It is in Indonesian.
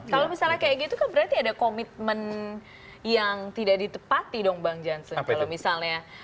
kalau misalnya kayak gitu kan berarti ada komitmen yang tidak ditepati dong bang jansun